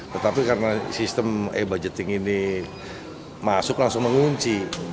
tetapi karena sistem e budgeting ini masuk langsung mengunci